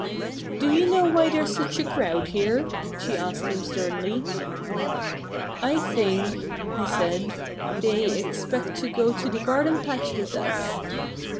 "Do you know why there's such a crowd here?" she asked him sternly. "I think," he said, "they expect to go to the garden patch with us."